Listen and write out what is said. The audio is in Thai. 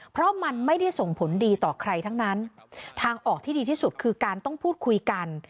เพราะมันไม่ได้ส่งผลดีต่อใครทั้งนั้นทางออกที่ดีที่สุดคือการต้องพูดคุยกัน